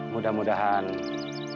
mudah mudahan hidup kalian berbahagia